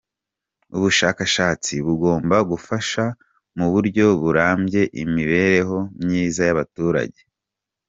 Ubushakashatsi bugomba gufasha mu buryo burambye imibereho myiza y’abaturage.